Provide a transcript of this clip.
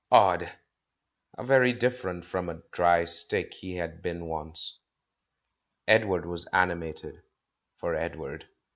Odd ! how very different from a "dry stick" he had been once. Edward was animated — for Edward.